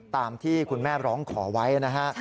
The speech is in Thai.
ตามที่คุณแม่ร้องขอไว้นะฮะ